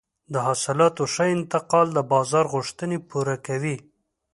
د حاصلاتو ښه انتقال د بازار غوښتنې پوره کوي.